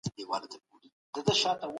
عزتمن سړی تل د حق ملاتړ کوی.